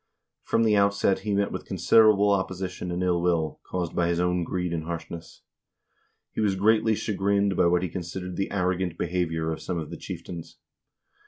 From the outset he met with considerable opposition and ill will, caused by his own greed and harshness. He was greatly chagrined by what he considered the arrogant behavior of some of the chieftains.